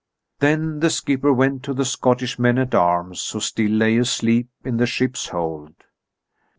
Then the skipper went to the Scottish men at arms, who still lay asleep in the ship's hold.